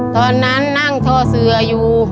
ตอนนั้นนั่งโทษื่ออยู่